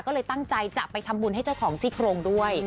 ก็เลยตั้งใจจะไปทำบุญให้เจ้าของซี่โครงด้วย